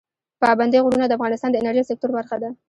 پابندی غرونه د افغانستان د انرژۍ سکتور برخه ده.